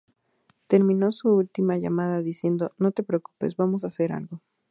Terminó su última llamada diciendo:"No te preocupes, vamos a hacer algo".